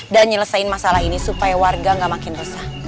dan nyelesain masalah ini supaya warga gak makin resah